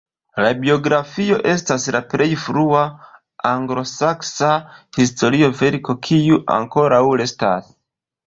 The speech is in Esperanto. La biografio estas la plej frua anglosaksa historia verko kiu ankoraŭ restas.